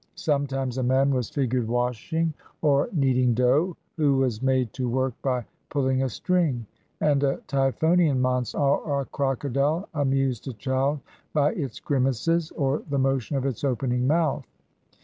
Sometimes a man was figured washing, or kneading dough, who was made to work by pulling a string; and a Typhonian monster, or a crocodile, amused a child by its grimaces, or the motion of its opening mouth.